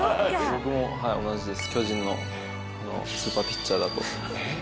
僕も同じです。